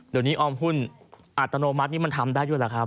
เดี๋ยวนี้ออมหุ้นอัตโนมัตินี้มันทำได้ด้วยล่ะครับ